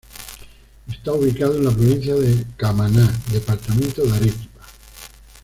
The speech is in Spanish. Está ubicado en la provincia de Camaná, departamento de Arequipa.